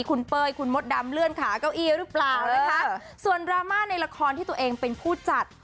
คุณเป้ยคุณมดดำเลื่อนขาเก้าอี้หรือเปล่านะคะส่วนดราม่าในละครที่ตัวเองเป็นผู้จัด